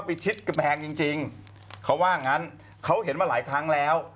เพราะว่างั้นเขาเห็นมาหลายทางแล้ว